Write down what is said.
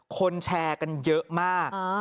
คนแชร์กันเยอะมาก